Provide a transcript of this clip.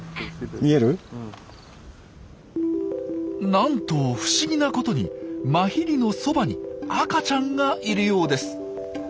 なんと不思議なことにマヒリのそばに赤ちゃんがいるようです。